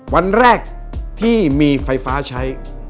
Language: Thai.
วันแรกที่มีไฟฟ้าใช้